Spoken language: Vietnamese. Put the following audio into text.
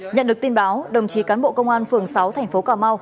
nhận được tin báo đồng chí cán bộ công an phường sáu tp hcm